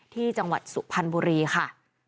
ที่จังหวัดสุภัณฑ์บุรีค่ะ